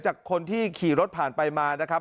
จากคนที่ขี่รถผ่านไปมานะครับ